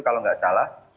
kalau tidak salah